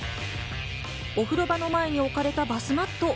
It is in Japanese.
お風呂場の前に置かれたバスマット。